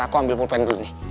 aku ambil pulpen dulu nih